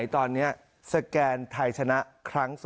เมื่อไหร่ครับ